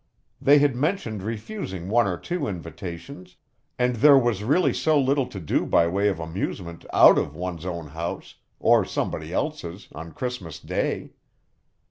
They had mentioned refusing one or two invitations, and there was really so little to do by way of amusement out of one's own house, or somebody else's, on Christmas Day.